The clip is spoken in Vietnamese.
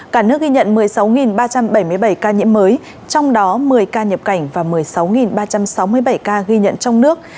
cả nước ghi nhận một mươi sáu ba trăm bảy mươi bảy ca nhiễm mới trong đó một mươi ca nhập cảnh và một mươi sáu ba trăm sáu mươi bảy ca ghi nhận trong nước